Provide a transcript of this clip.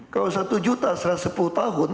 kalau satu juta sepuluh tahun